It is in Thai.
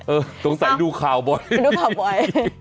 เออต้องใส่ดูค่าวบ่อยดูค่าวบ่อย